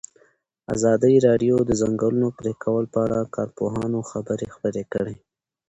ازادي راډیو د د ځنګلونو پرېکول په اړه د کارپوهانو خبرې خپرې کړي.